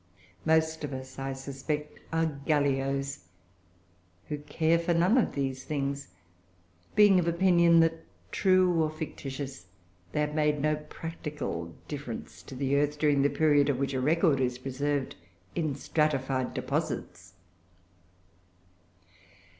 Most of us, I suspect, are Gallios, "who care for none of these things," being of opinion that, true or fictitious, they have made no practical difference to the earth, during the period of which a record is preserved in stratified deposits.